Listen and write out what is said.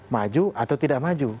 maju atau tidak maju